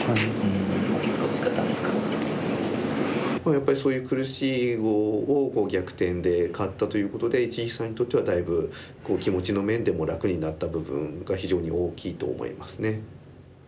やっぱりそういう苦しい碁を逆転で勝ったということで一力さんにとってはだいぶ気持ちの面でも楽になった部分が非常に大きいと思いますね。